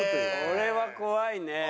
これは怖いね。